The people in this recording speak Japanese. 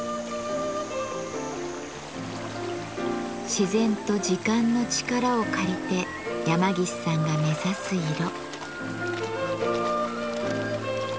自然と時間の力を借りて山岸さんが目指す色。